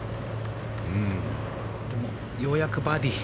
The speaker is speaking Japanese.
ようやくバーディー。